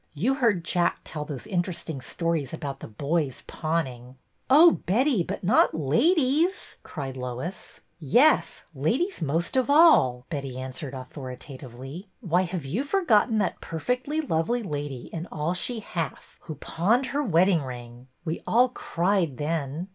You heard Jack tell those interesting stories about the boys pawning." Oh, Betty, but not ladies !" cried Lois. Yes, ladies most of all," Betty answered authoritatively. '' Why, have you forgotten that perfectly lovely lady in ' All She Hath,' who pawned her wedding ring? We all cried then."